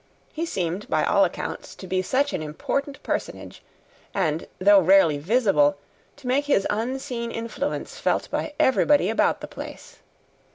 He seemed, by all accounts, to be such an important personage and, though rarely visible, to make his unseen influence felt by everybody about the place.